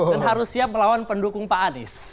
dan harus siap melawan pendukung pak anies